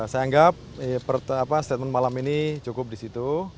saya anggap statement malam ini cukup di situ